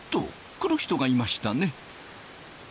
この人がいましたね！